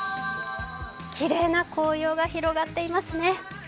きれいな紅葉が広がっていますね。